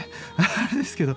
あれですけど。